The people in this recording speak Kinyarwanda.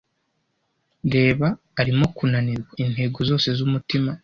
Reba arimo kunanirwa, intego zose zumutima--